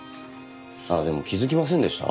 あっでも気づきませんでした？